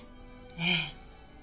ええ。